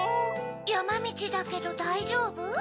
やまみちだけどだいじょうぶ？